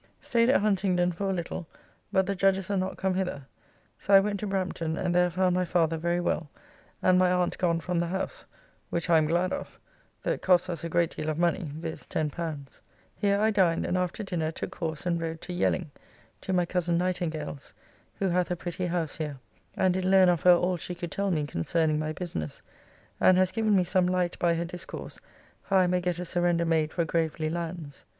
Staid at Huntingdon for a little, but the judges are not come hither: so I went to Brampton, and there found my father very well, and my aunt gone from the house, which I am glad of, though it costs us a great deal of money, viz. L10. Here I dined, and after dinner took horse and rode to Yelling, to my cozen Nightingale's, who hath a pretty house here, and did learn of her all she could tell me concerning my business, and has given me some light by her discourse how I may get a surrender made for Graveley lands.